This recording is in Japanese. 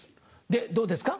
でどうですか？